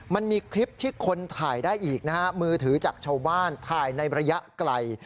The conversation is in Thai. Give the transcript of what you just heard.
มันมีคลิปที่คนถ่ายได้อีกนะฮะมือถือจากชาวบ้านถ่ายในระยะไกล